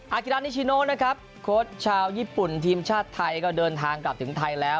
กิรานิชิโนนะครับโค้ชชาวญี่ปุ่นทีมชาติไทยก็เดินทางกลับถึงไทยแล้ว